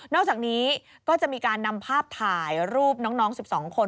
อกจากนี้ก็จะมีการนำภาพถ่ายรูปน้อง๑๒คน